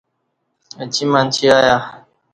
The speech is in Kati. اچی منچی ایہ